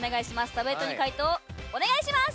タブレットに回答をお願いします。